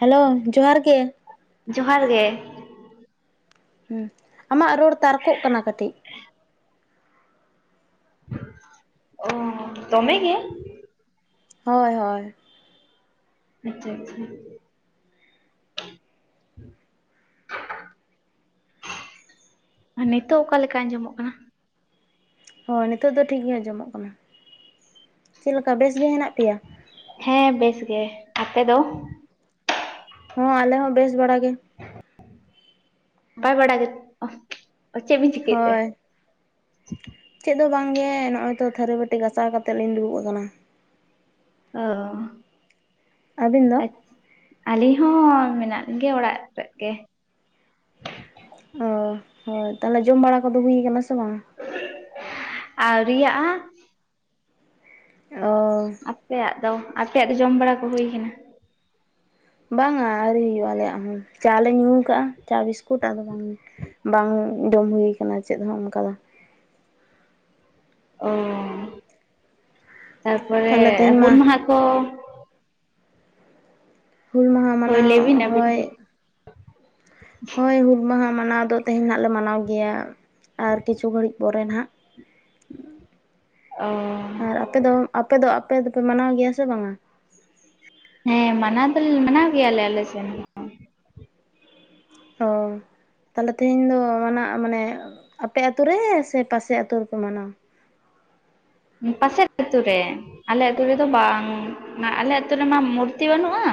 Hello, ᱡᱚᱦᱟᱨ ᱜᱮ᱾ ᱡᱚᱦᱟᱨ ᱜᱮ᱾ ᱦᱩᱸ, ᱟᱢᱟᱜ ᱨᱚᱲ ᱛᱟᱨᱠᱚᱜ ᱠᱟᱱᱟ ᱠᱟᱹᱴᱤᱡᱽ᱾ ᱚ ᱫᱚᱢᱮ ᱜᱮ? ᱦᱳᱭ ᱦᱳᱭ᱾ ᱟᱪᱪᱷᱟ ᱟᱪᱪᱷᱟ᱾ [inaudible] ᱱᱤᱛᱳᱜ ᱚᱠᱟ ᱞᱮᱠᱟ ᱟᱸᱡᱚᱢᱚᱜ ᱠᱟᱱᱟ? ᱦᱳᱭ, ᱱᱤᱛᱳ ᱫᱚ ᱴᱷᱤᱠ ᱜᱮ ᱟᱸᱡᱚᱢᱚᱜ ᱠᱟᱱᱟ᱾ ᱪᱮᱫ ᱠᱟ ᱵᱮᱥ ᱜᱮ ᱦᱮᱱᱟᱜ ᱯᱮᱭᱟ? ᱦᱮᱸ ᱵᱮᱥ ᱜᱮ᱾ ᱟᱯᱮ ᱫᱚ? ᱦᱚᱸ, ᱟᱞᱮ ᱦᱚᱸ ᱵᱮᱥ ᱵᱟᱲᱟ ᱜᱮ᱾ ᱱᱟᱯᱟᱭ ᱵᱟᱲᱟ ᱜᱮ ᱛᱚ, ᱟᱨ ᱪᱮᱫ ᱵᱤᱱ ᱪᱤᱠᱟᱹᱭᱮᱫ ᱛᱮ? ᱦᱳᱭ ᱪᱮᱫ ᱫᱚ ᱵᱟᱝᱜᱮ ᱱᱚᱜᱼᱚᱭ ᱛᱚ ᱛᱷᱟᱹᱨᱤ ᱵᱟᱹᱴᱤ ᱜᱟᱥᱟᱣ ᱠᱟᱛᱮᱫ ᱞᱤᱧ ᱫᱩᱲᱩᱵ ᱠᱟᱱᱟ᱾ ᱚ, ᱟᱹᱵᱤᱱ ᱫᱚ ᱟᱪ ᱟᱹᱞᱤᱧ ᱦᱚᱸ ᱢᱮᱱᱟᱜ ᱞᱮᱜᱮᱭᱟ ᱚᱲᱟᱜ ᱨᱮᱜᱮ᱾ ᱚ, ᱦᱳᱭ᱾ ᱛᱟᱦᱞᱮ ᱡᱚᱢ ᱵᱟᱲᱟ ᱠᱚᱫᱚ ᱦᱩᱭ ᱠᱟᱱᱟ ᱥᱮ ᱵᱟᱝ? ᱟᱣᱨᱤᱭᱟᱜ-ᱟ᱾ ᱚ ᱟᱯᱮᱭᱟᱜ ᱫᱚ᱾ ᱟᱯᱮᱭᱟᱜ ᱫᱚ ᱡᱚᱢ ᱵᱟᱲᱟ ᱠᱚ ᱦᱩᱭ ᱠᱟᱱᱟ? ᱵᱟᱝᱟ ᱟᱹᱣᱨᱤ ᱦᱩᱭᱩᱜ-ᱟ ᱟᱞᱮᱭᱟᱜ ᱦᱚᱸ᱾ ᱪᱟ ᱞᱮ ᱧᱩ ᱠᱟᱜ-ᱟ, ᱪᱟ ᱵᱤᱥᱠᱩᱴ ᱟᱫᱚ ᱵᱟᱝ᱾ ᱵᱟᱝ ᱡᱚᱢ ᱦᱩᱭ ᱠᱟᱱᱟ ᱪᱮᱫ ᱦᱚᱸ ᱚᱱᱠᱟ ᱫᱚ᱾ ᱚ, ᱛᱟᱨᱯᱚᱨᱮ ᱛᱟᱦᱚᱞᱮ ᱛᱮᱦᱮᱧ ᱢᱟ ᱦᱩᱞ ᱢᱟᱦᱟ ᱠᱚ ᱦᱩᱞ ᱢᱟᱦᱟ ᱦᱳᱭ ᱢᱟᱱᱟᱣ ᱞᱟᱹᱭ ᱵᱤᱱ ᱟᱹᱵᱤᱱ ᱦᱚᱭ ᱜᱮ ᱦᱳᱭ, ᱦᱩᱞ ᱢᱟᱦᱟ ᱢᱟᱱᱟᱣ ᱫᱚ ᱛᱮᱦᱮᱧ ᱦᱟᱸᱜ ᱞᱮ ᱢᱟᱱᱟᱣ ᱜᱮᱭᱟ᱾ ᱟᱨ ᱠᱤᱪᱷᱩ ᱜᱷᱟᱹᱲᱤᱡ ᱯᱚᱨᱮ ᱱᱟᱜ᱾ ᱚ᱾ ᱟᱨ ᱟᱯᱮ ᱫᱚ, ᱟᱯᱮ ᱫᱚ ᱟᱯᱮ ᱫᱚᱯᱮ ᱢᱟᱱᱟᱣ ᱜᱮᱭᱟ ᱥᱮ ᱵᱟᱝᱟ? ᱦᱮᱸ ᱢᱟᱱᱟᱣ ᱫᱚᱞᱮ ᱢᱟᱱᱟᱣ ᱜᱮᱭᱟ ᱟᱞᱮ ᱟᱞᱮ ᱥᱮᱱ ᱦᱳᱭ᱾ ᱛᱟᱦᱞᱮ ᱛᱤᱦᱤᱧ ᱫᱚ ᱢᱟᱱᱟᱜ ᱢᱟᱱᱮ ᱟᱯᱮ ᱟᱛᱩ ᱨᱮ ᱥᱮ ᱯᱟᱥᱮ ᱟᱛᱩ ᱨᱮᱯᱮ ᱢᱟᱱᱟᱣᱟ? ᱯᱟᱥᱮᱨ ᱟᱹᱛᱩ ᱨᱮ᱾ ᱟᱞᱮ ᱟᱹᱛᱩ ᱨᱮᱫᱚ ᱵᱟᱝ, ᱢᱟ ᱟᱞᱮ ᱟᱹᱛᱩ ᱨᱮᱢᱟ ᱢᱩᱨᱛᱤ ᱵᱟᱹᱱᱩᱜ-ᱟ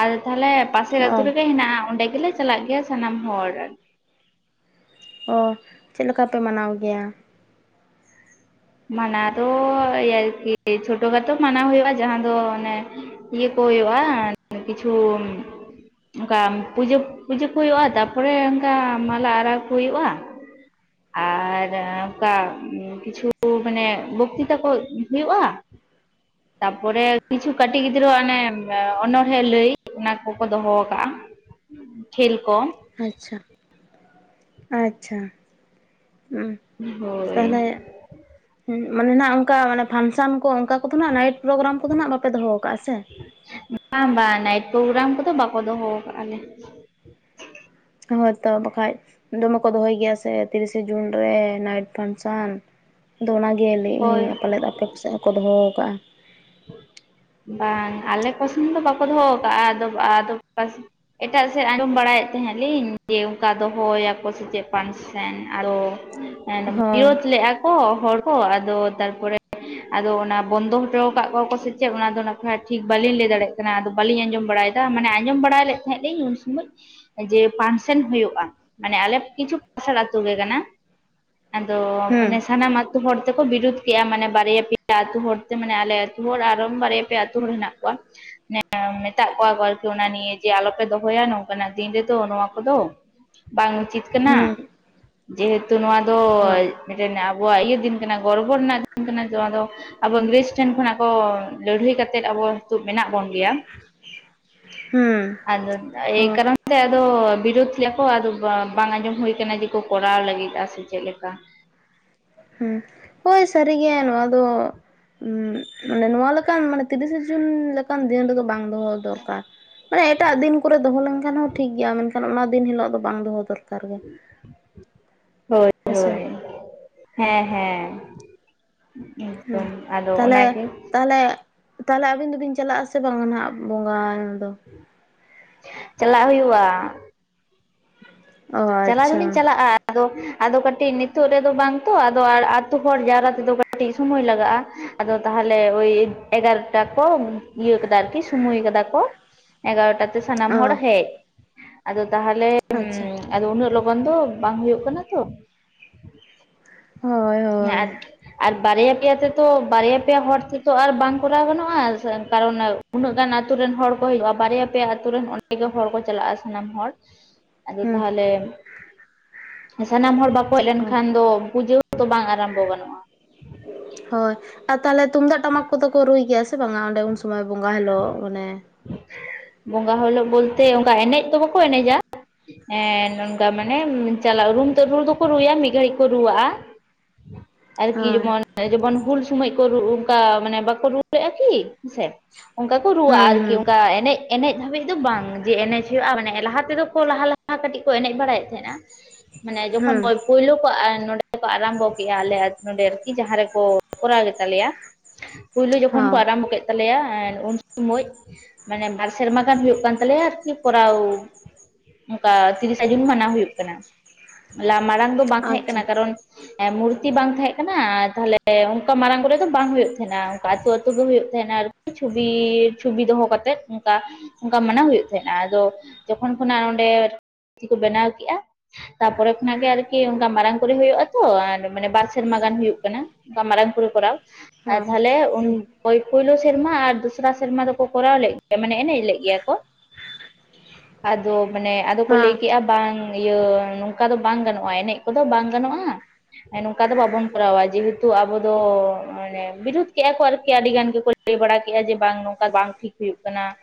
ᱟᱨ ᱛᱟᱦᱞᱮ ᱯᱟᱥᱮᱨ ᱚ ᱟᱹᱛᱩ ᱨᱮᱜᱮ ᱦᱮᱱᱟᱜ-ᱟ, ᱚᱸᱰᱮ ᱜᱮᱞᱮ ᱪᱟᱞᱟᱜ ᱜᱮᱭᱟ ᱥᱟᱱᱟᱢ ᱦᱚᱲ᱾ ᱚ, ᱪᱮᱫ ᱞᱮᱠᱟ ᱯᱮ ᱢᱟᱱᱟᱣ ᱜᱮᱭᱟ? ᱢᱟᱱᱟᱣ ᱫᱚ ᱮᱭ ᱟᱨᱠᱤ ᱪᱷᱳᱴᱳ ᱠᱷᱟᱴᱚ ᱢᱟᱱᱟᱣ ᱦᱩᱭᱩᱜ-ᱟ ᱡᱟᱦᱟᱸ ᱫᱚ ᱚᱱᱮ ᱤᱭᱟᱹ ᱠᱚ ᱦᱩᱭᱩᱜ-ᱟ ᱠᱤᱪᱷᱩ ᱚᱱᱠᱟ ᱯᱩᱡᱟᱹ ᱯᱩᱡᱟᱹ ᱠᱚ ᱦᱩᱭᱩᱜ-ᱟ ᱛᱟᱨᱯᱚᱨᱮ ᱚᱱᱠᱟ ᱢᱟᱞᱟ ᱟᱨᱟᱣ ᱠᱚ ᱦᱩᱭᱩᱜ-ᱟ, ᱟᱨ ᱚᱱᱠᱟ ᱠᱤᱪᱷᱩ ᱢᱟᱱᱮ ᱵᱚᱠᱤᱛᱟᱠᱚ ᱦᱩᱭᱩᱜ-ᱟ, [inaudible] ᱛᱟᱯᱚᱨᱮ ᱠᱤᱪᱷᱩ ᱠᱟᱹᱴᱤᱡ ᱜᱤᱫᱽᱨᱟᱹᱣ ᱟᱜ ᱚᱱᱮ ᱚᱱᱚᱬᱦᱮ ᱞᱟᱹᱭ ᱚᱱᱟ ᱠᱚᱠᱚ ᱫᱚᱦᱚ ᱟᱠᱟᱜ-ᱟ᱾ [inaudible] ᱠᱷᱮᱞ ᱠᱚ, ᱟᱪᱪᱷᱟ ᱟᱪᱪᱷᱟ ᱦᱳᱭ ᱛᱟᱦᱞᱮ ᱢᱟᱱᱮᱱᱟᱜ ᱚᱱᱠᱟ ᱯᱷᱟᱱᱥᱟᱱ ᱠᱚ ᱚᱱᱠᱟ ᱠᱚᱫᱚ ᱱᱟᱜᱦ ᱱᱟᱭᱤᱴ ᱯᱨᱳᱜᱨᱟᱢ ᱠᱚᱫᱚ ᱱᱟᱜᱦ ᱵᱟᱯᱮ ᱫᱚᱦᱚ ᱟᱠᱟᱜ-ᱟ ᱥᱮ ᱵᱟᱝ ᱵᱟᱝ ᱱᱟᱭᱤᱴ ᱯᱨᱳᱜᱨᱟᱢ ᱠᱚᱫᱚ ᱵᱟᱠᱚ ᱫᱚᱦᱚᱟ ᱠᱟᱜ-ᱟ ᱞᱮ ᱦᱳᱭᱛᱚ ᱵᱟᱠᱷᱟᱡ ᱫᱚᱢᱮ ᱠᱚ ᱫᱚᱦᱚᱭ ᱜᱮᱭᱟ ᱥᱮ ᱛᱤᱨᱤᱥᱮ ᱡᱩᱱ ᱨᱮ ᱱᱟᱭᱤᱴ ᱯᱷᱟᱱᱥᱟᱱ ᱟᱫᱚ ᱚᱱᱟᱜᱮ ᱞᱟᱹᱭᱮᱜ ᱟᱹᱧ ᱦᱳᱭ ᱯᱟᱞᱮᱫ ᱟᱯᱮ ᱥᱮᱜ ᱦᱚᱸᱠᱚ ᱫᱚᱦᱚ ᱠᱟᱜ-ᱟ ᱵᱟᱝ ᱟᱞᱮ ᱠᱚᱥᱮᱱ ᱫᱚ ᱵᱟᱠᱚ ᱫᱚᱦᱚᱣ ᱠᱟᱜ-ᱟ ᱟᱫᱚ ᱟᱫᱚ ᱯᱟᱥᱮ ᱮᱴᱟᱜ ᱥᱮᱜ ᱟᱸᱡᱚᱢ ᱵᱟᱲᱟᱭᱮᱜ ᱛᱮᱦᱮᱜ ᱞᱤᱧ ᱡᱮ ᱚᱱᱠᱟ ᱫᱚᱦᱚᱭᱟᱠᱚ ᱥᱮ ᱪᱮᱫ ᱯᱟᱱᱥ ᱥᱮᱱ ᱟᱨᱳ ᱦᱳᱭ ᱵᱤᱨᱳᱫᱷ ᱞᱮᱜ-ᱟ ᱠᱚ ᱦᱚᱲ ᱠᱚ ᱟᱫᱚ ᱛᱟᱨᱯᱚᱨᱮ ᱟᱫᱚ ᱚᱱᱟ ᱵᱚᱱᱫᱚ ᱦᱚᱴᱚᱣ ᱠᱟᱜ ᱠᱚᱣᱟ ᱠᱚ ᱥᱮᱪᱮᱫ ᱚᱱᱟ ᱫᱚ ᱱᱟᱜᱠᱷᱟᱡ ᱴᱷᱤᱠ ᱵᱟᱞᱤᱧ ᱞᱟᱹᱭ ᱫᱟᱲᱮᱭᱟᱜ ᱠᱟᱱᱟ ᱟᱫᱚ ᱵᱟᱞᱤᱧ ᱟᱸᱡᱚᱢ ᱵᱟᱲᱟᱭᱫᱟ ᱢᱟᱱᱮ ᱟᱸᱡᱚᱢ ᱵᱟᱲᱟ ᱞᱮᱫ ᱛᱟᱦᱮᱸᱜ ᱞᱤᱧ ᱥᱩᱢᱳᱡ ᱡᱮ ᱯᱷᱟᱱᱥᱮᱱ ᱦᱩᱭᱩᱜ-ᱟ ᱢᱟᱱᱮ ᱟᱞᱮ ᱠᱤᱪᱷᱩ ᱯᱟᱥᱮᱨ ᱟᱛᱩ ᱜᱮ ᱠᱟᱱᱟ, ᱟᱫᱚ ᱦᱩᱸ ᱢᱟᱱᱮ ᱥᱟᱱᱟᱢ ᱟᱛᱩ ᱦᱚᱲ ᱛᱮᱠᱚ ᱵᱤᱨᱩᱫᱽ ᱠᱮᱜ-ᱟ ᱢᱟᱱᱮ ᱵᱟᱨᱭᱟ ᱯᱮᱭᱟ ᱟᱛᱩ ᱦᱚᱲᱛᱮ ᱢᱟᱱᱮ ᱟᱞᱮ ᱛᱩ ᱦᱚᱲ ᱟᱨᱚᱢ ᱵᱟᱨᱭᱟ ᱯᱮᱭᱟ ᱟᱛᱩ ᱦᱚᱲ ᱦᱮᱱᱟᱜ ᱠᱚᱣᱟ, ᱢᱮᱛᱟᱜ ᱠᱚᱣᱟ ᱠᱚ ᱟᱨᱠᱤ ᱚᱱᱟ ᱱᱤᱭᱮ ᱡᱮ ᱟᱞᱚᱯᱮ ᱫᱚᱦᱚᱭᱟ ᱱᱚᱝᱠᱟ ᱱᱟᱜ ᱫᱤᱱ ᱨᱮᱫᱚ ᱱᱚᱣᱟ ᱠᱚᱫᱚ, ᱵᱟᱝ ᱩᱪᱤᱛ ᱦᱩᱸ ᱠᱟᱱᱟ ᱡᱮᱦᱮᱛᱩ ᱱᱚᱣᱟ ᱫᱚ ᱦᱳᱭ ᱢᱤᱫᱴᱮᱱ ᱟᱵᱚᱣᱟᱜ ᱤᱭᱟᱹ ᱫᱤᱱ ᱠᱟᱱᱟ ᱜᱚᱨᱵᱚ ᱨᱮᱱᱟᱜ ᱫᱤᱱ ᱠᱟᱱᱟ ᱡᱟᱦᱟᱸ ᱫᱚ ᱟᱵᱚ ᱤᱝᱨᱮᱡᱽ ᱴᱷᱮᱱ ᱠᱷᱚᱱᱟᱜ ᱛᱚ ᱞᱟᱹᱲᱦᱟᱹᱭ ᱠᱟᱛᱮᱫ ᱟᱵᱚ ᱱᱤᱛᱚᱜ ᱢᱮᱱᱟᱜ ᱵᱚᱱ ᱜᱮᱭᱟ, ᱦᱩᱸ ᱟᱫᱚ ᱮᱭ ᱦᱳᱭ ᱠᱟᱨᱚᱱ ᱛᱮ ᱟᱫᱚ ᱵᱤᱨᱩᱫᱽ ᱞᱮᱜ-ᱟ ᱟᱫᱚ ᱵᱟᱝ ᱟᱸᱡᱚᱢ ᱦᱩᱭ ᱠᱟᱱᱟ ᱡᱮᱠᱚ ᱠᱚᱨᱟᱣ ᱞᱟᱜᱤᱫ-ᱟ ᱥᱮ ᱪᱮᱫ ᱞᱮᱠᱟ ᱦᱩ ᱦᱳᱭ ᱥᱟᱹᱨᱤᱜᱮ ᱱᱚᱣᱟ ᱫᱚ ᱢᱟᱱᱮ ᱱᱚᱣᱟ ᱞᱮᱠᱟᱱ ᱢᱟᱱᱮ ᱛᱤᱨᱤᱥᱮ ᱡᱩᱱ ᱞᱮᱠᱟᱱ ᱫᱤᱱ ᱨᱮᱫᱚ ᱵᱟᱝ ᱫᱚᱦᱚ ᱫᱚᱨᱠᱟᱨ ᱢᱟᱱᱮ ᱮᱴᱟᱜ ᱫᱤᱱ ᱠᱚᱨᱮ ᱫᱚᱦᱚ ᱞᱮᱱᱠᱷᱟᱱ ᱦᱚᱸ ᱴᱷᱤᱠ ᱜᱮᱭᱟ ᱢᱮᱱᱠᱷᱟᱱ ᱚᱱᱟ ᱫᱤᱱ ᱦᱤᱞᱳᱜ ᱫᱚ ᱵᱟᱝ ᱫᱚᱦᱚ ᱫᱚᱨᱠᱟᱨ ᱜᱮ᱾ ᱦᱳᱭ ᱦᱮᱸᱥᱮ ᱦᱳᱭ ᱦᱮᱸ ᱦᱮᱸ ᱮᱠᱫᱚᱢ ᱦᱩᱸ ᱟᱫᱚ ᱛᱟᱦᱞᱮ ᱚᱱᱟᱜᱮ ᱛᱟᱦᱞᱮ ᱛᱟᱦᱞᱮ ᱟᱹᱵᱤᱱ ᱫᱩᱵᱤᱱ ᱪᱟᱞᱟᱜ-ᱟ ᱥᱮ ᱵᱟᱝ ᱱᱟᱜᱦ ᱵᱚᱸᱜᱟ ᱫᱚ ᱪᱟᱞᱟᱜ ᱦᱩᱭᱩᱜ-ᱟ᱾ ᱚ ᱪᱟᱞᱟᱣ ᱟᱪᱪᱷᱟ ᱫᱚᱞᱤᱧ ᱪᱟᱞᱟᱜ-ᱟ, ᱟᱫᱚ ᱟᱫᱚ ᱠᱟᱴᱤᱡ ᱱᱤᱛᱚᱜ ᱨᱮᱫᱚ ᱵᱟᱝ ᱛᱚ ᱟᱫᱚ ᱟᱛᱳ ᱦᱚᱲ ᱡᱟᱣᱨᱟ ᱛᱮᱫᱚ ᱠᱟᱴᱤᱡ ᱥᱩᱢᱚᱭ ᱞᱟᱜᱟᱜ-ᱟ᱾ ᱟᱫᱚ ᱛᱟᱦᱚᱞᱮ ᱳᱭ ᱮᱜᱟᱨᱚᱴᱟ ᱠᱚ ᱤᱭᱟᱹ ᱠᱟᱫᱟ ᱟᱨᱠᱤ ᱥᱩᱢᱚᱭ ᱠᱟᱫᱟ ᱠᱚ, [inaudible] ᱮᱜᱟᱨᱚᱴᱟ ᱛᱮ ᱥᱟᱱᱟᱢ ᱦᱚᱲ ᱚ ᱦᱮᱡ ᱟᱫᱚ ᱛᱟᱦᱞᱮ ᱟᱪᱪᱷᱟ ᱟᱫᱚ ᱩᱱᱟᱹᱜ ᱞᱚᱜᱚᱱ ᱫᱚ ᱵᱟᱝ ᱦᱳᱭᱳᱜ ᱠᱟᱱᱟ ᱛᱚ, ᱦᱳᱭ ᱦᱳᱭ ᱮᱠᱚᱴ [unintelligible] ᱟᱨ ᱵᱟᱨᱭᱟ ᱯᱮᱭᱟ ᱛᱮᱛᱚ ᱵᱟᱨᱭᱟ ᱯᱮᱭᱟ ᱦᱚᱲ ᱛᱮᱛᱚ ᱟᱨ ᱵᱟᱝ ᱠᱚᱨᱟᱣ ᱜᱟᱱᱚᱜ-ᱟ ᱠᱟᱨᱚᱱ ᱩᱱᱟᱹᱜ ᱜᱟᱱ ᱟᱛᱩ ᱨᱮᱱ ᱦᱚᱲ ᱠᱚ ᱦᱩᱭᱩᱜ-ᱟ ᱵᱟᱨᱭᱟ ᱯᱮ ᱟᱛᱩ ᱨᱮᱱ ᱚᱱᱰᱮ ᱜᱮ ᱦᱚᱲ ᱠᱚ ᱪᱟᱞᱟᱜ-ᱟ ᱥᱟᱱᱟᱢ ᱦᱚᱲ ᱟᱫᱚ ᱦᱮᱸ ᱛᱟᱦᱚᱞᱮ ᱥᱟᱱᱟᱢ ᱦᱚᱲ ᱵᱟᱠᱚ ᱦᱮᱡ ᱞᱮᱱᱠᱷᱟᱱ ᱫᱚ ᱯᱩᱡᱟᱹᱣ ᱛᱚ ᱵᱟᱝ ᱟᱨᱚᱢᱵᱚ ᱜᱟᱱᱚᱜ-ᱟ, ᱦᱳᱭ ᱟᱨ ᱛᱟᱦᱞᱮ ᱛᱩᱢᱫᱟᱜ ᱴᱟᱢᱟᱠ ᱠᱚᱫᱚ ᱠᱚ ᱨᱩᱭ ᱜᱮᱭᱟ ᱥᱮ ᱵᱟᱝᱟ ᱚᱸᱰᱮ ᱩᱱ ᱥᱩᱢᱚᱭ ᱵᱚᱸᱜᱟ ᱦᱤᱞᱳᱜ ᱢᱟᱱᱮ ᱵᱚᱸᱜᱟ ᱦᱤᱞᱳᱜ ᱵᱚᱞᱛᱮ ᱚᱱᱠᱟ ᱮᱱᱮᱡ ᱫᱚ ᱵᱟᱠᱚ ᱮᱱᱮᱡᱟ, ᱦᱮᱸ ᱱᱚᱝᱠᱟ ᱢᱟᱱᱮ ᱪᱟᱞᱟᱜ ᱨᱩᱢ ᱛᱮ ᱨᱩ ᱫᱚᱠᱚ ᱨᱩᱭᱟ ᱢᱤᱫ ᱜᱷᱟᱹᱲᱤᱡ ᱠᱚ ᱨᱩᱣᱟᱜᱼᱟ ᱾ ᱟᱨᱠᱤ ᱦᱳᱭ ᱡᱮᱢᱚᱱ, ᱡᱮᱢᱚᱱ ᱦᱩᱞ ᱥᱚᱢᱚᱭ ᱠᱚ ᱚᱱᱠᱟ ᱢᱟᱱᱮ ᱵᱟᱠᱚ ᱨᱩ ᱞᱮᱫᱼᱟ ᱠᱤ? ᱦᱮᱸ ᱥᱮ ᱾ ᱚᱱᱠᱟ ᱠᱚ ᱨᱩᱣᱟᱹᱜᱼᱟ ᱦᱩᱸ ᱟᱨᱠᱤ ᱦᱩᱸ ᱚᱱᱠᱟ ᱮᱱᱮᱡ ᱮᱱᱮᱡ ᱫᱷᱟᱹᱵᱤᱡ ᱫᱚ ᱵᱟᱝ ᱡᱮ ᱮᱱᱮᱡ ᱦᱩᱭᱩᱜᱼᱟ ᱢᱟᱱᱮ ᱞᱟᱦᱟ ᱛᱮᱫᱚ ᱠᱚ ᱞᱟᱦᱟ ᱞᱟᱦᱟ ᱠᱟᱹᱴᱤᱡ ᱠᱚ ᱮᱱᱮᱡ ᱵᱟᱲᱟᱭᱮᱫ ᱛᱟᱦᱮᱱᱟ ᱾ ᱢᱟᱱᱮ ᱡᱚᱠᱷᱚᱱ ᱦᱩᱸ ᱯᱳᱭᱞᱳ ᱠᱚ ᱱᱚᱰᱮ ᱠᱚ ᱟᱨᱟᱢᱵᱚ ᱠᱮᱫᱼᱟ ᱟᱞᱮ ᱱᱚᱰᱮ ᱟᱨᱠᱤ ᱡᱟᱦᱟᱸ ᱨᱮᱠᱚ ᱠᱚᱨᱟᱣ ᱜᱮᱛᱟᱞᱮᱭᱟ ᱾ ᱯᱩᱭᱞᱩ ᱡᱚᱠᱷᱚᱱ ᱠᱚ ᱦᱚᱸ ᱟᱨᱚᱢᱵᱚ ᱠᱮᱫ ᱛᱟᱞᱮᱭᱟ ᱩᱱ ᱥᱚᱢᱚᱭ ᱢᱟᱱᱮ ᱵᱟᱨ ᱥᱮᱨᱢᱟ ᱜᱟᱱ ᱦᱩᱭᱩᱜ ᱠᱟᱱ ᱛᱟᱞᱮᱭᱟ ᱟᱨᱠᱤ ᱠᱚᱨᱟᱣ ᱾ ᱚᱱᱠᱟ ᱛᱤᱨᱤᱥᱟ ᱡᱩᱱ ᱢᱟᱱᱟᱣ ᱦᱩᱭᱩᱜ ᱠᱟᱱᱟ ᱾ ᱢᱟᱲᱟᱝ ᱫᱚ ᱵᱟᱝ ᱛᱟᱦᱮᱸ ᱟᱪᱪᱷᱟ ᱠᱟᱱᱟ ᱠᱟᱨᱚᱱ ᱢᱩᱨᱛᱤ ᱵᱟᱝ ᱛᱟᱦᱮᱸ ᱠᱟᱱᱟ ᱟᱨ ᱛᱟᱦᱞᱮ ᱚᱱᱠᱟ ᱢᱟᱨᱟᱝ ᱠᱚᱨᱮ ᱫᱚ ᱵᱟᱝ ᱦᱩᱭᱩᱜ ᱛᱟᱦᱮᱸᱱᱟ ᱚᱱᱠᱟ ᱟᱹᱛᱩ ᱟᱹᱛᱩ ᱫᱚ ᱦᱩᱭᱩᱜ ᱛᱟᱦᱮᱱᱟ ᱟᱨᱠᱤ ᱪᱷᱚᱵᱤ ᱪᱷᱚᱵᱤ ᱫᱚᱦᱚ ᱠᱟᱛᱮᱫ ᱚᱱᱠᱟ ᱾ ᱚᱱᱠᱟ ᱢᱟᱱᱟᱣ ᱦᱩᱭᱩᱜ ᱛᱦᱮᱱᱟ ᱟᱫᱚ ᱡᱚᱠᱷᱚᱱ ᱠᱷᱚᱱᱟᱜ ᱚᱸᱰᱮ ᱠᱚ ᱵᱮᱱᱟᱣ ᱠᱮᱜᱼᱟ ᱛᱟᱯᱚᱨᱮ ᱠᱷᱚᱱᱟᱜ ᱜᱮ ᱟᱨᱠᱤ ᱚᱱᱠᱟ ᱢᱟᱨᱟᱝ ᱠᱚᱨᱮ ᱦᱩᱭᱩᱜ ᱼᱟ ᱛᱚ ᱟᱨᱢᱟᱱᱮ ᱵᱟᱨ ᱥᱮᱨᱢᱟ ᱜᱟᱱ ᱦᱩᱭᱩᱜ ᱠᱟᱱᱟ ᱾ ᱚᱱᱠᱟ ᱢᱟᱨᱟᱝ ᱠᱚᱨᱮ ᱠᱚᱨᱟᱣ ᱟᱨ ᱦᱮᱸ ᱛᱟᱦᱞᱮ ᱩᱱ ᱯᱚᱭ ᱯᱚᱭᱞᱳ ᱥᱮᱨᱢᱟ ᱟᱨ ᱫᱚᱥᱨᱟ ᱥᱮᱨᱢᱟ ᱫᱚᱠᱚ ᱠᱚᱨᱟᱣ ᱞᱮᱫ ᱜᱮᱭᱟ ᱢᱟᱱᱮ ᱮᱱᱮᱡ ᱞᱮᱫ ᱜᱮᱭᱟ ᱠᱚ ᱾ ᱟᱫᱚ ᱢᱟᱱᱮ ᱟᱫᱚ ᱠᱚ ᱦᱮᱸ ᱞᱟᱹᱭ ᱠᱮᱜᱼᱟ ᱵᱟᱝ ᱤᱭᱟᱹ ᱱᱚᱝᱠᱟ ᱫᱚ ᱵᱟᱝ ᱜᱟᱱᱚᱜᱼᱟ ᱮᱱᱮᱡ ᱠᱚᱫᱚ ᱵᱟᱝ ᱜᱟᱱᱚᱜᱼᱟ ᱱᱚᱝᱠᱟ ᱫᱚ ᱵᱟᱵᱚᱱ ᱠᱚᱨᱟᱣᱟ ᱡᱮᱦᱮᱛᱩ ᱟᱵᱚ ᱫᱚ ᱢᱟᱱᱮ ᱵᱤᱨᱩᱫ ᱠᱮᱫᱼᱟ ᱠᱚ ᱟᱨᱠᱤ ᱟᱹᱰᱤᱜᱟᱱ ᱜᱮ ᱾ ᱠᱚ ᱞᱟᱹᱭ ᱵᱟᱲᱟ ᱠᱮᱫᱼᱟ ᱡᱮ ᱵᱟᱝ ᱱᱚᱝᱠᱟ ᱵᱟᱝ ᱴᱷᱤᱠ ᱦᱩᱭᱩᱜ ᱠᱟᱱᱟ ᱾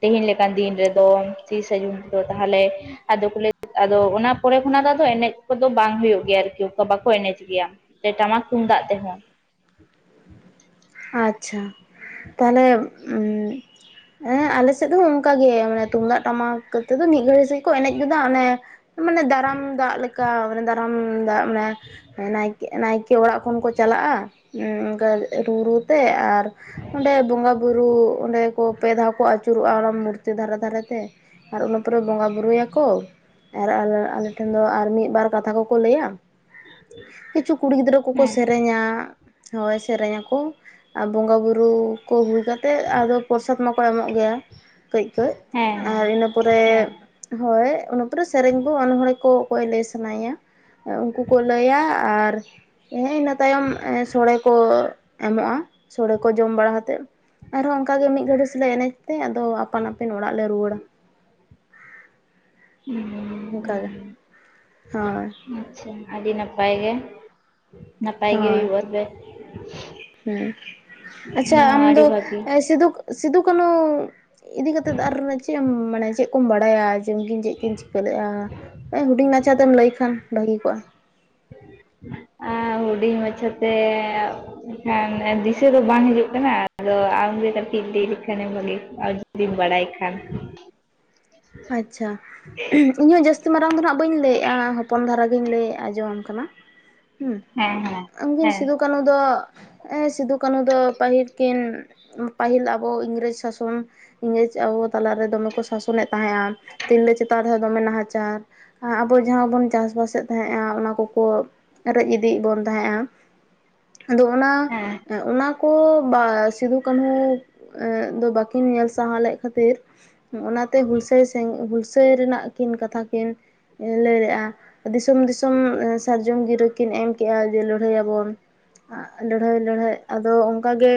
ᱛᱮᱦᱮᱧ ᱞᱮᱠᱟᱱ ᱫᱤᱱ ᱨᱮᱫᱚ ᱛᱤᱥᱟ ᱡᱩᱱ ᱨᱮᱫᱚ, ᱛᱟᱦᱚᱞᱮ ᱟᱫᱚ ᱠᱚ ᱞᱟᱹᱭ ᱟᱫᱚ ᱚᱱᱟ ᱯᱚᱨᱮ ᱠᱷᱚᱱᱟᱜ ᱫᱚ ᱟᱫᱚ ᱮᱱᱮᱡ ᱠᱚᱫᱚ ᱵᱟᱝ ᱦᱩᱭᱩᱜ ᱜᱮᱭᱟ ᱟᱨᱠᱤ ᱚᱝᱠᱟ ᱵᱟᱠᱚ ᱮᱱᱮᱡ ᱜᱮᱭᱟ ᱾ ᱡᱮ ᱴᱟᱢᱟᱠ ᱛᱩᱢᱫᱟᱜ ᱛᱮᱦᱚᱸ ᱾ ᱟᱪᱪᱷᱟ ᱛᱟᱦᱚᱞᱮ ᱩᱸᱻ ᱮᱸ ᱟᱞᱮ ᱥᱮᱫ ᱦᱚᱸ ᱚᱱᱠᱟ ᱜᱮ ᱢᱟᱱᱮ ᱛᱩᱢᱫᱟᱜ ᱴᱟᱢᱟᱠ ᱠᱟᱛᱮᱫ ᱫᱚ ᱢᱤᱫ ᱜᱷᱟᱹᱲᱤ ᱥᱮᱡ ᱠᱚ ᱮᱱᱮᱡ ᱜᱚᱫᱟ ᱚᱱᱮ ᱢᱟᱱᱮ ᱫᱟᱨᱟᱢ ᱫᱟᱜ ᱞᱮᱠᱟ ᱚᱱᱮ ᱫᱟᱨᱟᱢ ᱫᱟᱜ ᱚᱱᱟ ᱱᱟᱭᱠᱮ ᱱᱟᱭᱠᱮ ᱚᱲᱟᱜ ᱠᱷᱚᱱ ᱠᱚ ᱪᱟᱞᱟᱜᱼᱟ ᱩᱸ ᱚᱱᱠᱟ ᱨᱩ ᱨᱩ ᱛᱮ ᱟᱨ ᱚᱸᱰᱮ ᱵᱚᱸᱜᱟ ᱵᱩᱨᱩ ᱚᱸᱰᱮ ᱠᱚ ᱯᱮ ᱫᱷᱟᱣ ᱠᱚ ᱟᱹᱪᱩᱨᱚᱜᱼᱟ ᱚᱱᱟ ᱢᱩᱨᱛᱤ ᱫᱷᱟᱨᱮ ᱫᱷᱟᱨᱮ ᱛᱮ ᱾ ᱟᱨ ᱚᱱᱟᱹ ᱯᱚᱨᱮ ᱵᱚᱸᱜᱟ ᱵᱩᱨᱩᱭᱟᱠᱚ ᱟᱨ ᱟᱞᱮ ᱟᱞᱮ ᱴᱷᱮᱱ ᱫᱚ ᱟᱨ ᱢᱤᱫ ᱵᱟᱨ ᱠᱟᱛᱷᱟ ᱠᱚᱠᱚ ᱞᱟᱹᱭᱟ ᱾ ᱠᱤᱪᱷᱩ ᱠᱩᱲᱤ ᱜᱤᱫᱽᱨᱟᱹ ᱠᱚᱠᱚ ᱦᱮᱸ ᱥᱮᱨᱮᱧᱟ, ᱦᱳᱭ ᱥᱮᱨᱮᱧᱟᱠᱚ ᱾ ᱟᱨ ᱵᱚᱸᱜᱟ ᱵᱩᱨᱩ ᱠᱚ ᱠᱟᱛᱮᱫ ᱟᱫᱚ ᱯᱨᱚᱥᱟᱫᱽ ᱢᱟᱠᱚ ᱮᱢᱚᱜ ᱜᱮᱭᱟ ᱠᱟᱹᱡᱼᱠᱟᱹᱡ, ᱟᱨ ᱦᱮᱸ ᱤᱱᱟᱹ ᱯᱚᱨᱮ ᱦᱮᱸ ᱦᱳᱭ ᱚᱱᱟ ᱯᱚᱨᱮ ᱥᱮᱨᱮᱧ ᱠᱚ ᱚᱱᱚᱲᱦᱮ ᱠᱚ ᱚᱠᱚᱭ ᱞᱟᱹᱭ ᱥᱟᱱᱟᱭᱮᱭᱟ ᱩᱱᱠᱩ ᱠᱚ ᱞᱟᱹᱭᱟ, ᱟᱨ ᱦᱮ ᱤᱱᱟᱹ ᱛᱟᱭᱚᱢ ᱥᱳᱲᱮ ᱠᱚ ᱮᱢᱚᱜᱼᱟ ᱾ ᱥᱚᱲᱮ ᱠᱚ ᱡᱚᱢ ᱵᱟᱲᱟ ᱠᱟᱛᱮᱫ ᱟᱨᱦᱚᱸ ᱚᱱᱠᱟ ᱜᱮ ᱢᱤᱫ ᱜᱷᱟᱹᱲᱤᱡ ᱥᱮᱞᱮ ᱮᱱᱮᱡ ᱛᱮ ᱟᱫᱚ ᱟᱯᱟᱱ ᱟᱹᱯᱤᱱ ᱚᱲᱟᱜ ᱞᱮ ᱨᱩᱣᱟᱹᱲᱟ ᱾ ᱦᱩᱸ ᱾ ᱚᱱᱠᱟ ᱜᱮ, ᱦᱳᱭ ᱾ ᱟᱪᱪᱷᱟ ᱟᱹᱰᱤ ᱱᱟᱯᱟᱭ ᱜᱮ ᱱᱟᱯᱟᱭ ᱜᱮ, ᱦᱩᱭᱩᱜᱼᱟ ᱛᱚᱵᱮ ᱾ ᱦᱩᱸ, ᱟᱪᱪᱷᱟ ᱦᱚᱸ ᱟᱢ ᱫᱚ ᱟᱹᱰᱤ ᱵᱷᱟᱹᱜᱤ ᱥᱤᱫᱩ ᱥᱤᱫᱩ ᱠᱟᱹᱱᱩ ᱤᱫᱤ ᱠᱟᱛᱮᱫ ᱫᱚ ᱟᱨ ᱪᱮᱫ ᱮᱢ ᱢᱟᱱᱮ ᱪᱮᱫ ᱠᱚᱢ ᱵᱟᱲᱟᱭᱟ ᱡᱮ ᱩᱱᱠᱤᱱ ᱪᱮᱫ ᱠᱤᱱ ᱪᱤᱠᱟᱹ ᱞᱮᱫᱼᱟ? ᱦᱩᱰᱤᱧ ᱢᱟᱪᱷᱟ ᱛᱮᱢ ᱞᱟᱹᱭ ᱠᱷᱟᱱ ᱵᱷᱟᱹᱜᱤ ᱠᱚᱜ-ᱟ ᱾ ᱟᱸ ᱦᱩᱰᱤᱧ ᱢᱟᱪᱷᱟᱛᱮ ᱮᱠᱷᱟᱱ ᱫᱤᱥᱟᱹ ᱫᱚ ᱵᱟᱝ ᱦᱤᱡᱩᱜ ᱠᱟᱱᱟ ᱟᱫᱚ ᱟᱢᱜᱮ ᱠᱟᱹᱴᱤᱡ ᱞᱟᱹᱭ ᱞᱮᱠᱷᱟᱱᱮᱢ ᱵᱷᱟᱜᱤ ᱠᱚᱜ-ᱟ ᱾ ᱡᱩᱫᱤᱢ ᱵᱟᱲᱟᱭ ᱠᱷᱟᱱ ᱾ ᱟᱪᱪᱷᱟ [unintelligible] ᱤᱧ ᱦᱚᱸ ᱡᱟᱹᱥᱛᱤ ᱢᱟᱨᱟᱝ ᱫᱚ ᱱᱟᱦᱟᱜ ᱵᱟᱹᱧ ᱞᱟᱹᱭᱮᱫ-ᱟ ᱦᱚᱯᱚᱱ ᱫᱷᱟᱨᱟ ᱜᱮᱤᱧ ᱞᱟᱹᱭ ᱟᱡᱸᱚᱢ ᱟᱢ ᱠᱟᱱᱟ ᱾ ᱦᱩᱸ, ᱦᱮᱸ ᱦᱮᱸ ᱩᱱᱠᱤᱱ ᱦᱮᱸ ᱥᱤᱫᱩ ᱠᱟᱹᱱᱩ ᱫᱚ ᱮᱸ ᱥᱤᱫᱩ ᱠᱟᱹᱱᱩ ᱫᱚ ᱯᱟᱹᱦᱤᱞ ᱠᱤᱱ ᱯᱟᱹᱦᱤᱞ ᱟᱵᱚ ᱤᱝᱨᱮᱡ ᱥᱟᱥᱚᱱ ᱤᱝᱨᱮᱡ ᱟᱵᱚ ᱛᱟᱞᱟᱨᱮ ᱫᱚᱢᱮ ᱠᱚ ᱥᱟᱥᱚᱱᱮᱫ ᱛᱟᱦᱮᱸᱫ-ᱟ, ᱛᱤᱨᱞᱟᱹ ᱪᱮᱛᱟᱱ ᱨᱮᱦᱚᱸ ᱫᱚᱢᱮ ᱱᱟᱦᱟᱪᱟᱨ ᱟᱵᱚ ᱡᱟᱦᱟᱸ ᱵᱚᱱ ᱪᱟᱥᱵᱟᱥᱮᱫ ᱛᱟᱦᱮᱸᱱᱟ ᱚᱱᱟ ᱠᱚᱠᱚ ᱨᱮᱡ ᱤᱫᱤᱭ ᱵᱚᱱ ᱛᱟᱦᱮᱸ-ᱟ᱾ ᱟᱫᱚ ᱚᱱᱟ ᱦᱮᱸ ᱚᱱᱟᱠᱚ ᱵᱟ ᱥᱤᱫᱩ ᱠᱟᱹᱱᱦᱩ ᱫᱚ ᱵᱟ ᱠᱤᱱ ᱧᱮᱞ ᱥᱟᱦᱟ ᱞᱮᱫ ᱠᱷᱟᱹᱛᱤᱨ ᱚᱱᱟ ᱦᱩᱞᱥᱟᱹᱭ ᱥᱮᱝᱜ ᱦᱩᱞᱥᱟᱹᱭ ᱨᱮᱱᱟᱜ ᱠᱤᱱ ᱠᱟᱛᱷᱟ ᱠᱤᱱ ᱞᱟᱹᱭ ᱞᱮ-ᱟ᱾ ᱫᱤᱥᱚᱢ ᱫᱤᱥᱚᱢ ᱮᱸ ᱥᱟᱨᱡᱚᱢ ᱜᱤᱨᱟᱹ ᱠᱤᱱ ᱮᱢ ᱠᱮᱫᱮᱜ-ᱟ ᱡᱮ ᱞᱟᱹᱲᱦᱟᱹᱭ ᱟᱵᱚᱱ ᱞᱟᱹᱲᱦᱟᱹᱭ ᱞᱟᱹᱲᱦᱟᱹᱭ ᱟᱫᱚ ᱚᱱᱠᱟ ᱜᱮ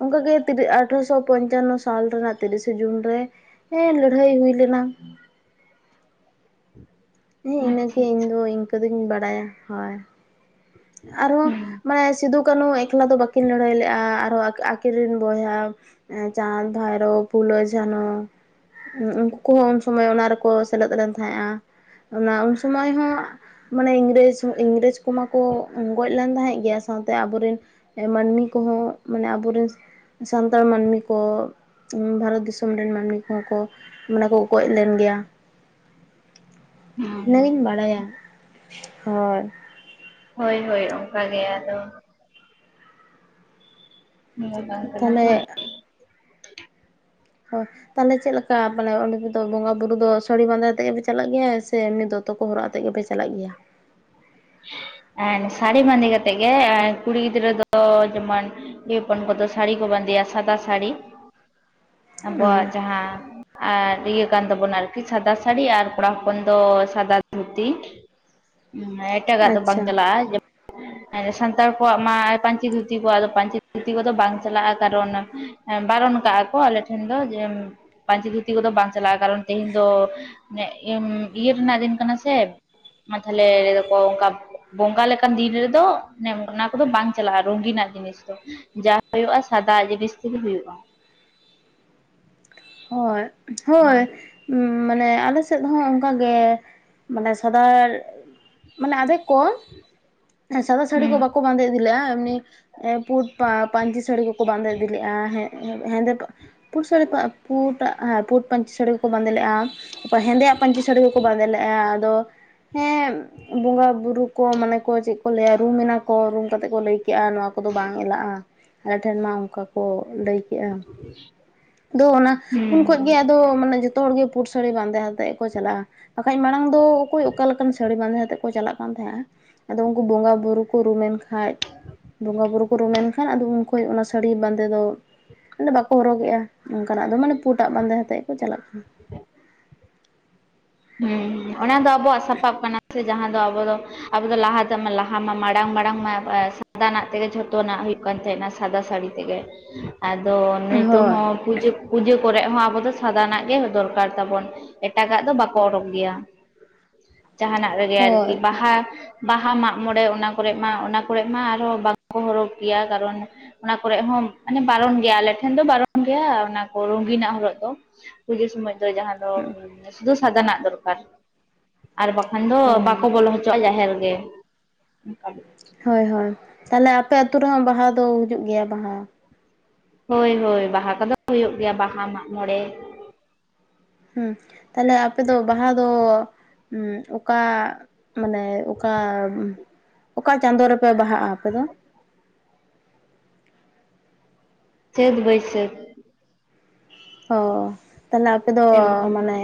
ᱚᱱᱠᱟᱜᱮ ᱛᱤᱨᱤ ᱟᱴᱷᱨᱚᱥᱚ ᱯᱚᱧᱪᱟᱱᱱᱚ ᱥᱟᱞ ᱨᱮᱱᱟᱜ ᱛᱤᱨᱤᱥᱮ ᱡᱩᱱ ᱨᱮ ᱦᱮᱸ ᱞᱟᱹᱲᱦᱟᱹᱭ ᱦᱩᱭ ᱞᱮᱱᱟ᱾ [inaudible] ᱦᱮᱸ ᱟᱪᱪᱷᱟ ᱤᱱᱟᱹᱜᱮ ᱟᱪᱪᱷᱟ ᱤᱧᱫᱚ ᱤᱱᱠᱟᱹ ᱫᱚᱧ ᱵᱟᱲᱟᱭᱟ ᱦᱳᱭ᱾ ᱟᱨᱦᱚᱸ ᱦᱩᱸ ᱢᱟᱱᱮ ᱥᱤᱫᱩᱠᱟᱱᱩ ᱮᱠᱞᱟ ᱫᱚ ᱵᱟᱹᱠᱤᱱ ᱞᱟᱹᱲᱦᱟᱹᱭ ᱞᱮᱫ-ᱟ, ᱟᱨᱦᱚ ᱟ ᱠᱤᱨᱤᱱ ᱵᱚᱭᱦᱟ ᱮᱸ ᱪᱟᱸᱫ, ᱵᱷᱟᱭᱨᱳᱵ ᱯᱷᱩᱞᱚ, ᱡᱷᱟᱱᱚ ᱩᱱᱠᱩ ᱠᱚᱦᱚᱸ ᱩᱱ ᱥᱚᱢᱚᱭ ᱚᱱᱟ ᱨᱮᱠᱚ ᱥᱮᱞᱮᱫ ᱞᱮᱱ ᱛᱟᱦᱮᱸ-ᱟ, ᱚᱱᱟ ᱩᱱ ᱥᱚᱢᱟᱹᱭ ᱦᱚᱸ ᱢᱟᱱᱮ ᱤᱝᱨᱮᱡ ᱤᱝᱨᱮᱡ ᱠᱚᱢᱟ ᱠᱚ ᱜᱚᱡ ᱞᱮᱱ ᱛᱟᱦᱮᱸᱫ ᱜᱮᱭᱟ ᱥᱟᱶᱛᱮ ᱟᱵᱚᱨᱮᱱ ᱢᱟᱹᱱᱢᱤ ᱠᱚᱦᱚᱸ, ᱢᱟᱱᱮ ᱟᱵᱚ ᱨᱮᱱ ᱥᱟᱱᱛᱟᱲ ᱢᱟᱹᱱᱢᱤ ᱠᱚ ᱵᱷᱟᱨᱚᱛ ᱫᱤᱥᱚᱢ ᱨᱮᱱ ᱢᱟᱹᱱᱢᱤ ᱠᱚᱦᱚᱸ ᱠᱚ ᱢᱟᱱᱮ ᱠᱚ ᱜᱚᱡ ᱞᱮᱱ ᱜᱮᱭᱟ᱾ ᱦᱩᱸ ᱤᱱᱟᱹᱜᱤᱧ ᱵᱟᱲᱟᱭᱟ ᱦᱳᱭ᱾ ᱦᱳᱭ ᱦᱳᱭ ᱚᱱᱠᱟ ᱜᱮ, ᱟᱫᱚ ᱱᱚᱣᱟ ᱵᱟᱝ ᱠᱟᱱᱟ ᱛᱚ? ᱛᱟᱦᱚᱞᱮ ᱦᱳᱭ ᱛᱟᱦᱚᱞᱮ ᱪᱮᱫ ᱞᱮᱠᱟ ᱢᱟᱱᱮ ᱚᱸᱰᱮ ᱫᱚ ᱵᱚᱸᱜᱟ ᱵᱩᱨᱩ ᱫᱚ ᱥᱟᱹᱲᱤ ᱵᱟᱸᱫᱮ ᱛᱮᱜᱮ ᱯᱮ ᱪᱟᱞᱟᱜ ᱜᱮᱭᱟ ᱥᱮ ᱮᱢᱱᱤ ᱫᱚ ᱛᱚ ᱠᱚ ᱦᱚᱨᱚᱜ ᱟᱛᱮᱜ ᱜᱮᱯᱮ ᱪᱟᱞᱟᱜ ᱜᱮᱭᱟ? ᱮᱱ ᱥᱟᱹᱲᱤ ᱵᱟᱸᱫᱮ ᱠᱟᱛᱮᱫ ᱜᱮ ᱠᱩᱲᱤ ᱜᱤᱫᱨᱟᱹ ᱫᱚ ᱡᱮᱢᱚᱱ ᱠᱩᱲᱤ ᱦᱚᱯᱚᱱ ᱠᱚᱫᱚ ᱥᱟᱹᱲᱤ ᱠᱚ ᱵᱟᱸᱫᱮᱭᱟ ᱥᱟᱫᱟ ᱥᱟᱹᱲᱤ, ᱦᱮᱸ [inaudible] ᱟᱵᱚᱣᱟᱜ ᱡᱟᱦᱟᱸ ᱟᱨ ᱤᱭᱟᱹ ᱠᱟᱱ ᱛᱟᱵᱳᱱᱟ ᱟᱨᱠᱤ ᱥᱟᱫᱟ ᱥᱟᱹᱲᱤ ᱟᱨ ᱠᱚᱲᱟ ᱦᱚᱯᱚᱱ ᱫᱚ ᱥᱟᱫᱟ ᱫᱷᱩᱛᱤ, ᱦᱮᱸ ᱮᱴᱟᱜᱟᱜ ᱫᱚ ᱵᱟᱝ ᱟᱪᱪᱷᱟ ᱪᱟᱞᱟᱜ-ᱟ, ᱮᱸ ᱥᱟᱱᱛᱟᱲ ᱠᱚᱣᱟᱜ ᱢᱟ ᱯᱟᱹᱧᱪᱤ ᱫᱷᱩᱛᱤ ᱠᱚᱫᱚ ᱯᱟᱹᱧᱪᱤ ᱫᱷᱩᱛᱤ ᱠᱚᱫᱚ ᱵᱟᱝ ᱪᱟᱞᱟᱜ-ᱟ, ᱠᱟᱨᱚᱱ ᱵᱟᱨᱚᱱ ᱠᱟᱜ-ᱟ ᱠᱚ ᱟᱞᱮ ᱴᱷᱮᱱ ᱫᱚ ᱡᱮ ᱯᱟᱹᱧᱪᱤ ᱫᱷᱩᱛᱤ ᱠᱚᱫᱚ ᱵᱟᱝ ᱪᱟᱞᱟᱜ-ᱟ, ᱠᱟᱨᱚᱱ ᱛᱮᱦᱮᱧ ᱫᱚ ᱢᱟᱱᱮ ᱤᱭᱟᱹ ᱨᱮᱱᱟᱜ ᱫᱤᱱ ᱠᱟᱱᱟ ᱥᱮ ᱢᱟ ᱛᱟᱦᱞᱮ ᱚᱱᱠᱟ ᱵᱚᱸᱜᱟ ᱞᱮᱠᱟᱱ ᱫᱤᱱ ᱨᱮᱫᱚ ᱮ ᱚᱱᱟ ᱠᱚᱫᱚ ᱵᱟᱝ ᱪᱟᱞᱟᱜ-ᱟ ᱨᱚᱝᱜᱤᱱᱟᱜ ᱡᱤᱱᱤᱥ ᱫᱚ᱾ ᱡᱟ ᱦᱩᱭᱩᱜ-ᱟ ᱥᱟᱫᱟ ᱡᱤᱱᱤᱥ ᱛᱮᱜᱮ ᱦᱩᱭᱩᱜ-ᱟ᱾ ᱦᱳᱭ ᱦᱳᱭ᱾ ᱦᱩ ᱢᱟᱱᱮ ᱟᱞᱮ ᱥᱮᱫ ᱦᱚᱸ ᱚᱱᱠᱟᱜᱮ ᱢᱟᱱᱮ ᱥᱟᱫᱟᱨ ᱢᱟᱱᱮ ᱟᱫᱷᱮᱠ ᱠᱚ ᱥᱟᱫᱟ ᱥᱟᱹᱲᱤ ᱠᱚ ᱦᱩᱸ ᱵᱟᱠᱚ ᱵᱟᱸᱫᱮ ᱤᱫᱤ ᱞᱮ-ᱟ, ᱮᱢᱱᱤ ᱮᱸ ᱯᱩᱸᱰ ᱯᱟ ᱯᱟᱹᱧᱪᱤ ᱥᱟᱹᱲᱤ ᱠᱚᱠᱚ ᱵᱟᱸᱫᱮ ᱤᱫᱤ ᱞᱮᱫ-ᱟ ᱦᱮᱸᱫᱮ ᱯᱩᱸᱰ ᱥᱟᱹᱲᱤ ᱯᱟ ᱯᱩᱸᱰᱟᱜ ᱦᱮᱸ ᱯᱩᱸᱰ ᱯᱟᱹᱧᱪᱤ ᱥᱟᱹᱲᱤ ᱠᱚᱠᱚ ᱵᱟᱸᱫᱮ ᱞᱮᱫ-ᱟ, ᱯᱟ ᱦᱮᱸᱫᱮᱭᱟᱜ ᱯᱟᱹᱧᱪᱤ ᱥᱟᱹᱲᱤ ᱠᱚᱠᱚ ᱵᱟᱸᱫᱮ ᱞᱮᱫ-ᱟ, ᱟᱫᱚ ᱦᱮᱸ ᱵᱚᱸᱜᱟ ᱵᱩᱨᱩ ᱠᱚ ᱢᱟᱱᱮ ᱠᱚ ᱪᱮᱫ ᱠᱚ ᱞᱟᱹᱭᱟ ᱨᱩᱢᱱᱟᱠᱚ ᱨᱩᱢ ᱠᱟᱛᱮᱫ ᱠᱚ ᱞᱟᱹᱭ ᱠᱮᱜ-ᱟ ᱱᱚᱣᱟ ᱠᱚᱫᱚ ᱵᱟᱝ ᱮᱞᱟᱜ-ᱟ᱾ ᱟᱞᱮᱴᱷᱮᱱ ᱢᱟ ᱚᱱᱠᱟ ᱠᱚ ᱞᱟᱹᱭ ᱠᱮᱜᱼᱟ ᱫᱚ ᱚᱱᱟ ᱩᱱ ᱠᱷᱚᱡ ᱦᱩᱸ ᱜᱮ ᱟᱫᱚ ᱢᱟᱱᱮ ᱡᱚᱛᱚ ᱦᱚᱲᱜᱮ ᱯᱩᱴ ᱥᱟᱹᱲᱤ ᱵᱟᱸᱫᱮ ᱟ ᱛᱮᱫ ᱠᱚ ᱪᱟᱞᱟᱜᱼᱟ ᱵᱟᱠᱷᱟᱡ ᱢᱟᱲᱟᱝ ᱫᱚ ᱚᱠᱚᱭ ᱚᱠᱟ ᱞᱮᱠᱟᱱ ᱥᱟᱹᱲᱤ ᱵᱟᱸᱫᱮ ᱟᱛᱮᱫ ᱠᱚ ᱪᱟᱞᱟᱜ ᱠᱟᱱ ᱛᱟᱦᱮᱸᱜᱼᱟ, ᱟᱫᱚ ᱩᱱᱠᱩ ᱵᱚᱸᱜᱟ ᱵᱩᱨᱩ ᱠᱚ ᱨᱩᱢᱮᱱ ᱠᱷᱟᱡ ᱵᱚᱸᱜᱟ ᱵᱩᱨᱩ ᱠᱚ ᱨᱩᱢᱮᱱ ᱠᱷᱟᱱ ᱟᱫᱚ ᱩᱱᱠᱩ ᱠᱷᱚᱭ ᱚᱱᱟ ᱥᱟᱹᱲᱤ ᱵᱟᱸᱫᱮ ᱫᱚ ᱚᱰᱮ ᱵᱟᱠᱚ ᱦᱚᱨᱚᱜᱮᱜᱼᱟ ᱚᱱᱠᱟᱱᱟᱜ ᱯᱩᱴᱟᱜ ᱵᱟᱸᱫᱮ ᱠᱟᱛᱮᱫ ᱠᱚ ᱪᱟᱞᱟᱜ ᱠᱟᱱᱟ᱾ ᱦᱩᱸ ᱚᱱᱟ ᱫᱚ ᱟᱵᱚᱣᱟᱜ ᱥᱟᱯᱟᱵ ᱠᱟᱱᱟ ᱥᱮ ᱡᱟᱦᱟᱸ ᱫᱚ ᱟᱵᱚ ᱫᱚ ᱟᱵᱚ ᱫᱚ ᱞᱟᱦᱟ ᱛᱮ ᱢᱟ ᱞᱟᱦᱟ ᱢᱟ ᱢᱟᱲᱟᱝ ᱢᱟᱲᱟᱝ ᱢᱟ ᱥᱟᱫᱟᱱᱟᱜ ᱛᱮᱜᱮ ᱡᱷᱚᱛᱚᱱᱟᱜ ᱦᱩᱭᱩᱜ ᱠᱟᱱ ᱛᱟᱦᱮᱱᱟ ᱥᱟᱫᱟ ᱥᱟᱹᱲᱤ ᱛᱮᱜᱮ ᱟᱫᱚ ᱠᱟᱱᱟ ᱱᱩᱭᱛᱩᱢ ᱦᱳᱭ ᱦᱚᱸ ᱯᱩᱡᱟᱹ ᱯᱩᱡᱟᱹ ᱠᱚᱨᱮᱫ ᱦᱚᱸ ᱟᱵᱚ ᱫᱚ ᱥᱟᱫᱟᱱᱟᱜ ᱜᱮ ᱫᱚᱨᱠᱟᱨ ᱛᱟᱵᱚᱱ ᱮᱴᱟᱜᱟᱜ ᱫᱚ ᱵᱟᱠ ᱯᱚᱨ ᱜᱮᱭᱟ ᱡᱟᱦᱟᱱᱟᱜ ᱨᱮᱜᱮ ᱟᱨᱠᱤ ᱦᱳᱭ ᱵᱟᱦᱟ ᱵᱟᱦᱟ ᱢᱟᱜ ᱢᱚᱬᱮ ᱚᱱᱟ ᱠᱚᱨᱮᱜ ᱢᱟ ᱚᱱᱟ ᱠᱚᱨᱮᱜ ᱢᱟ ᱟᱨᱦᱚᱸ ᱵᱟᱠᱚ ᱦᱚᱨᱚᱜᱽ ᱜᱮᱭᱟ ᱠᱟᱨᱚᱱ ᱚᱱᱟ ᱠᱚᱨᱮᱜ ᱦᱚᱸ ᱢᱟᱱᱮ ᱵᱟᱨᱚᱱ ᱜᱮᱭᱟ ᱟᱞᱮ ᱴᱷᱮᱱ ᱫᱚ ᱵᱟᱨᱚᱱ ᱜᱮᱭᱟ ᱚᱱᱟ ᱠᱚ ᱨᱚᱝᱜᱤᱱᱟᱜ ᱦᱚᱨᱚᱜ ᱫᱚ ᱯᱩᱡᱟᱹ ᱥᱚᱢᱚᱭ ᱫᱚ ᱡᱟᱦᱟᱸᱱ ᱫᱚ ᱥᱩᱫᱷᱩ ᱥᱟᱫᱟᱱᱟᱜ ᱫᱚᱨᱠᱟᱨ ᱟᱨ ᱵᱟᱠᱷᱟᱱ ᱫᱚ ᱦᱳᱭ ᱵᱟᱠᱚ ᱵᱚᱞᱚ ᱦᱚᱪ ᱪᱚᱜ-ᱟ ᱡᱟᱦᱮᱨ ᱜᱮ ᱚᱱᱠᱟ ᱜᱮ ᱦᱳᱭ ᱦᱳᱭ ᱛᱟᱦᱚᱞᱮ ᱟᱯᱮ ᱟᱛᱳ ᱨᱮᱦᱚᱸ ᱵᱟᱦᱟ ᱫᱚ ᱦᱩᱡᱩᱜ ᱜᱮᱭᱟ ᱵᱟᱦᱟ ᱦᱳᱭ ᱦᱳᱭ ᱵᱟᱦᱟ ᱠᱚᱫᱚ ᱦᱩᱭᱩᱜ ᱜᱮᱭᱟ ᱵᱟᱦᱟ ᱢᱟᱜ ᱢᱚᱬᱮ ᱦᱩᱸ ᱛᱟᱦᱞᱮ ᱟᱯᱮ ᱫᱚ ᱵᱟᱦᱟ ᱫᱚ ᱚᱠᱟ ᱢᱟᱱᱮ ᱚᱠᱟ ᱚᱠᱟ ᱪᱟᱸᱫᱳ ᱨᱮᱯᱮ ᱵᱟᱦᱟᱜᱼᱟ ᱟᱯᱮ ᱫᱚ ᱪᱟᱹᱫ ᱵᱟᱹᱭᱥᱟᱹᱠ ᱚ ᱛᱟᱦᱚᱞᱮ ᱟᱯᱮ ᱫᱚ ᱪᱟᱹᱛ ᱢᱟᱱᱮ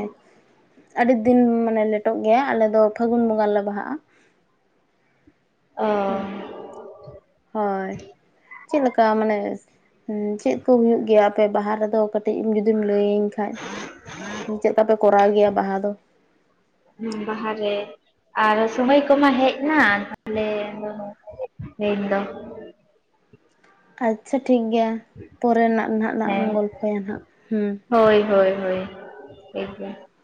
ᱟᱹᱰᱤ ᱫᱤᱱ ᱢᱟᱱᱮ ᱞᱮᱴᱚᱜ ᱜᱮᱭᱟ ᱟᱞᱮᱫ ᱫᱚ ᱯᱷᱟᱹᱜᱩᱱ ᱵᱚᱸᱜᱟ ᱞᱮ ᱵᱟᱦᱟᱜᱼᱟ ᱚᱻ ᱦᱩᱸ ᱦᱳᱭ ᱪᱮᱫ ᱞᱮᱠᱟ ᱢᱟᱱᱮ ᱦᱩᱸᱪᱮᱫ ᱠᱚ ᱦᱩᱭᱩᱜ ᱜᱮᱭᱟ ᱟᱯᱮ ᱵᱟᱦᱟ ᱨᱮᱫᱚ ᱠᱟᱹᱴᱤᱡ ᱤᱧ ᱡᱩᱫᱤᱢ ᱞᱟᱹᱭᱟᱹᱧ ᱠᱷᱟᱡ ᱪᱮᱫ ᱠᱟᱯᱮ ᱠᱚᱨᱟᱣ ᱜᱮᱭᱟ ᱵᱟᱦᱟ ᱫᱚ ᱦᱩᱸ ᱵᱟᱦᱟ ᱨᱮ ᱟᱨ ᱥᱚᱢᱚᱭ ᱠᱚᱢᱟ ᱦᱮᱡ ᱱᱟ ᱛᱟᱦᱞᱮ ᱫᱚ ᱱᱚᱝᱠᱟ ᱜᱮ ᱛᱮᱦᱮᱧ ᱫᱚ ᱟᱪᱪᱷᱟ ᱴᱷᱤᱠ ᱜᱮᱭᱟ ᱯᱚᱨᱮᱱᱟᱜ ᱱᱟᱦᱟᱜ ᱱᱟ ᱦᱮᱸ ᱜᱚᱞᱯᱚᱭᱟ ᱱᱟᱦᱟᱜ ᱦᱩᱸ ᱦᱳᱭ ᱦᱳᱭ ᱦᱳᱭ ᱴᱷᱤᱠ ᱜᱮᱭᱟ